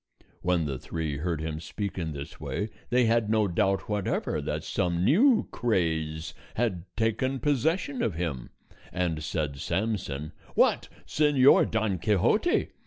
When the three heard him speak in this way, they had no doubt whatever that some new craze had taken possession of him; and said Samson, "What! Señor Don Quixote!